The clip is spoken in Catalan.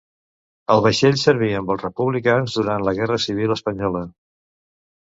El vaixell serví amb els republicans durant la Guerra Civil espanyola.